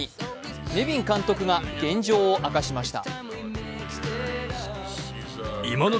ネビン監督が現状を明かしました。